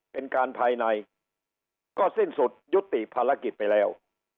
เป็นการภายในก็สิ้นสุดยุติภารกิจไปแล้ว